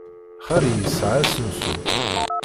Xali yesɛa asensu.